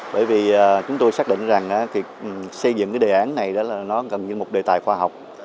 bởi vì chúng tôi xác định rằng xây dựng đề án này cần những mục đề tài khoa học